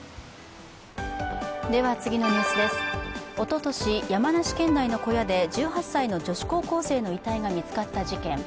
おととし、山梨県内の小屋で１８歳の女子高校生の遺体が見つかった事件。